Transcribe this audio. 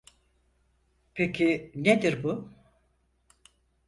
Peki nedir bu?